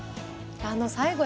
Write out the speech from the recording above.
あの最後